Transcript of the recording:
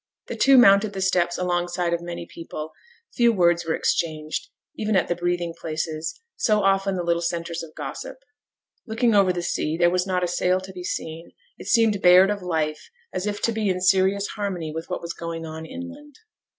The two mounted the steps alongside of many people; few words were exchanged, even at the breathing places, so often the little centres of gossip. Looking over the sea there was not a sail to be seen; it seemed bared of life, as if to be in serious harmony with what was going on inland.